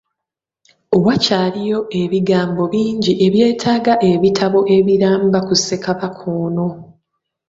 Wakyaliwo ebigambo bingi ebyetaaga ebitabo ebiramba ku Ssekabaka ono.